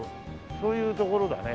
そういう所だね。